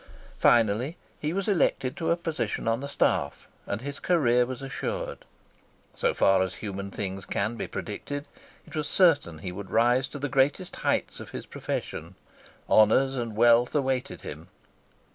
Finally he was elected to a position on the staff, and his career was assured. So far as human things can be predicted, it was certain that he would rise to the greatest heights of his profession. Honours and wealth awaited him.